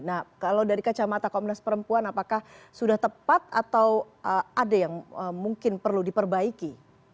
nah kalau dari kacamata komnas perempuan apakah sudah tepat atau ada yang mungkin perlu diperbaiki